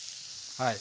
はい。